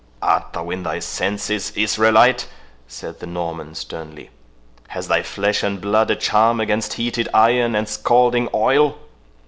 "Art thou in thy senses, Israelite?" said the Norman, sternly—"has thy flesh and blood a charm against heated iron and scalding oil?"